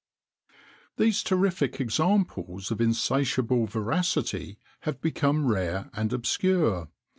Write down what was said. [XXIX 22] These terrific examples of insatiable voracity have become rare and obscure.